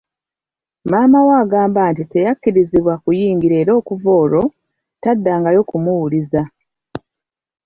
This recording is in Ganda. Maama we agamba teyakkirizibwa kuyingira era okuva olwo, taddangayo kumuwuliza.